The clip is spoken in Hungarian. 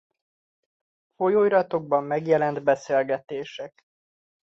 Folyóiratokban megjelent beszélgetések